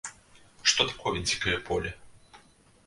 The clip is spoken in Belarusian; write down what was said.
Што такое дзікае поле?